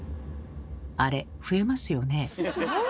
あれ増えますよね。